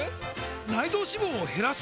内臓脂肪を減らす！？